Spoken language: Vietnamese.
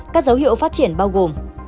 các dấu hiệu phát triển bao gồm